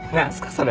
それ。